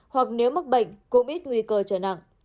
hoặc nếu mắc bệnh cũng ít nguy cơ trở nặng